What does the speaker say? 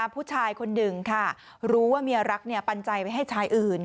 ผู้ชายคนหนึ่งค่ะรู้ว่าเมียรักปันใจไปให้ชายอื่น